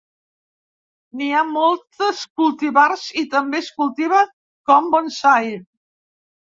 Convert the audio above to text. N'hi ha moltes cultivars i també es cultiva com bonsai.